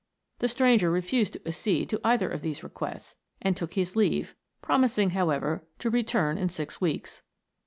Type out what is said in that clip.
The stranger refused to accede to either of these requests, and took his leave, promising, however, to return in six weeks.